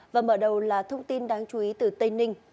và mở đầu là thông tin đáng chú ý từ tây ninh